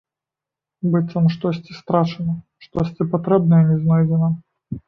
Быццам штосьці страчана, штосьці патрэбнае не знойдзена.